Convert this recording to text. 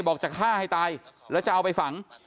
จะฆ่าให้ตายแล้วจะเอาไปฝัง